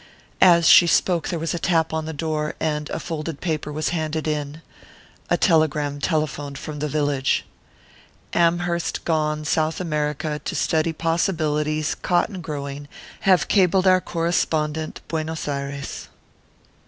As she spoke there was a tap on the door, and a folded paper was handed in a telegram telephoned from the village. "Amherst gone South America to study possibilities cotton growing have cabled our correspondent Buenos Ayres."